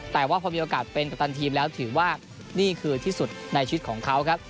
แต่ว่าพอมีโอกาสเป็นกัปตันทีมแล้วถือว่านี่คือที่สุดในชีวิตของเขาครับ